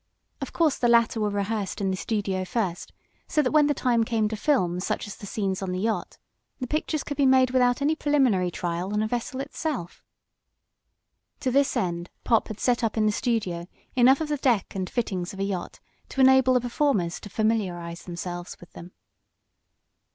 Of course the latter were rehearsed in the studio first, so that when the time came to film such as the scenes on the yacht, the pictures could be made without any preliminary trial on the vessel itself. To this end Pop had set up in the studio enough of the deck and fittings of a yacht to enable the performers to familiarize themselves with them.